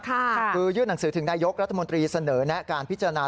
คือยื่นหนังสือถึงนายกรัฐมนตรีเสนอแนะการพิจารณา